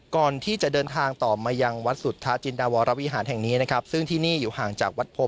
ก่อนที่จะเดินทางต่อมายังวัดสุทธาจินดาวรวิหารแห่งนี้นะครับซึ่งที่นี่อยู่ห่างจากวัดโพ